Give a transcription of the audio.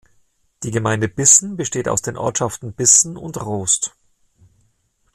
Die Gemeinde Bissen besteht aus den Ortschaften Bissen und Roost.